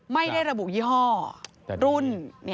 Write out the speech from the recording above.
ไม่ได้ระบุยี่ห้อรุ่น